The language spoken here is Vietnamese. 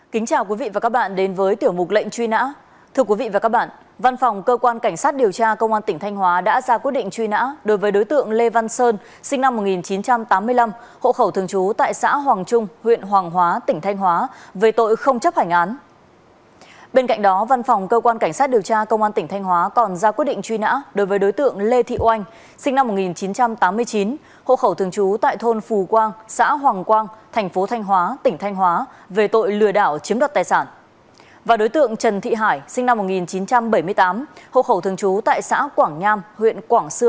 kính chào quý vị và các bạn đến với tiểu mục lệnh truy nã